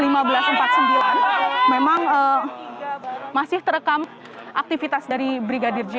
memang masih terekam aktivitas dari brigadir j